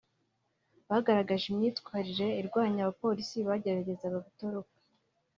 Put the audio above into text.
bagaragaje imyitwarire irwanya abapolisi bagerageza gutoroka